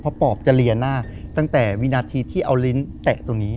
เพราะปอบจะเลียหน้าตั้งแต่วินาทีที่เอาลิ้นแตะตรงนี้